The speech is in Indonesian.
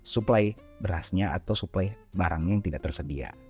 suplai berasnya atau suplai barangnya yang tidak tersedia